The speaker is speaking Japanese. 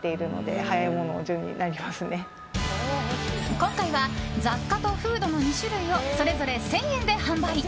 今回は雑貨とフードの２種類をそれぞれ１０００円で販売。